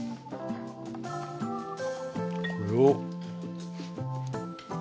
これを。